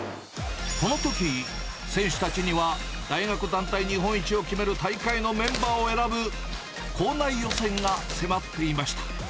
このとき、選手たちには大学団体日本一を決める大会のメンバーを選ぶ、校内予選が迫っていました。